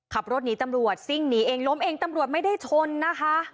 ขับรถหนีตำรวจซิ่งหนีเองล้มเองตำรวจไม่ได้ชนนะคะ